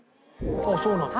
あっそうなんだ。